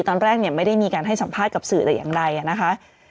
ตอนแรกเนี่ยไม่ได้มีการให้สัมภาษณ์กับสื่อแต่อย่างใดนะคะ